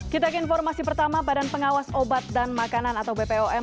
kita ke informasi pertama badan pengawas obat dan makanan atau bpom